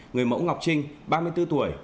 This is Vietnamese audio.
người mẫu ngọc trinh ba mươi bốn tuổi